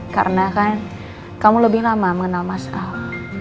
karena kan kamu lebih lama mengenal mas al